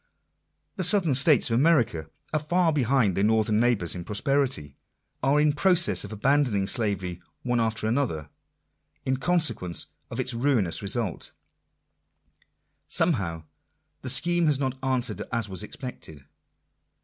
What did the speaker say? The southern states of America are far behind their northern neighbours in prosperity — are in process of abandoning slavery one after another, in consequence of its ruinous results. Somehow the scheme has not answered as was expected.